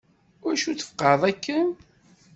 Iwacu tfeqeɛeḍ akken?